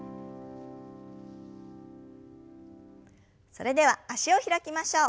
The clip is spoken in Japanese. それでは脚を開きましょう。